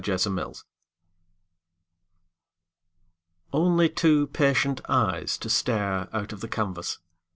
FADED PICTURES Only two patient eyes to stare Out of the canvas.